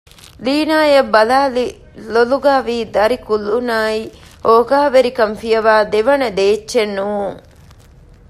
ލީނާއަށް ބަލައިލި ލޮލުގައިވީ ދަރިކުލުނާއި އޯގާވެރިކަން ފިޔަވައި ދެވަނަ ދޭއްޗެއް ނޫން